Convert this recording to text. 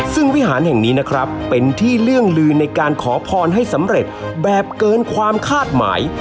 ซึ่งวิหารแห่งนี้นะครับเป็นที่เรื่องลือในการขอพรให้สำเร็จแบบเกินความคาดหมาย